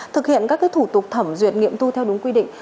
thực hiện các thủ tục thẩm duyệt nghiệp thu theo đúng quy định